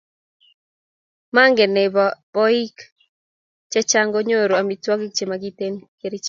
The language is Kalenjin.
Magee ne bo biik che chang ko konyoru amitokik che makinte keriche